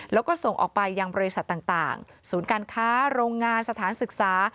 แล้วก็ส่งออกไปยังบริษัทต่างศูนย์การค้าโรงงานสถานศึกษา